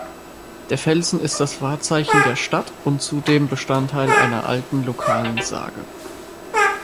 Der Felsen ist das Wahrzeichen der Stadt und zudem Bestandteil einer alten lokalen Sage.